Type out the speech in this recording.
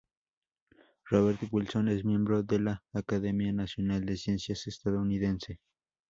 Robert Wilson es miembro de la Academia Nacional de Ciencias estadounidense.